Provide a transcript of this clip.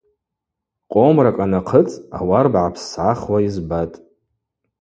Къомракӏ анахъыцӏ ауарба гӏапссгӏахуа йызбатӏ.